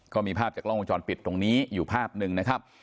ก็มีภาพจากกล้องวงจรปิดตรงนี้อยู่ภาพหนึ่งนะครับ